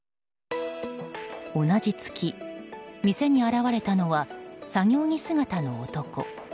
同じ月、店に現れたのは作業着姿の男。